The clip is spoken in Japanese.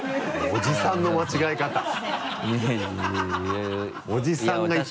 おじさんの間違え方だ。